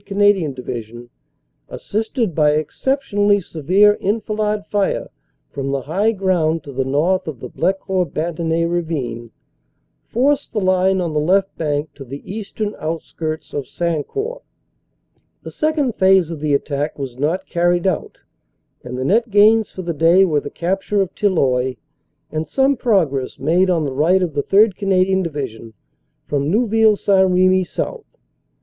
Canadian Division, assisted by exceptionally severe enfilade fire from the high ground to the north of the Blecourt Bantigny Ravine, forced the line on the left bank to the eastern outskirts of Sancourt. The second phase of the attack was not carried out, and the net gains for the day were the capture of Tilloy and some progress made on the right of the 3rd. Canadian Division from Neuville St. Remy south.